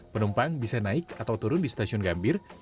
penumpang bisa naik atau turun di stasiun gambir